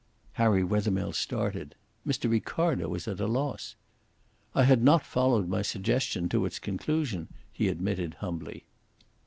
Harry Wethermill started. Mr. Ricardo was at a loss. "I had not followed my suggestion to its conclusion," he admitted humbly.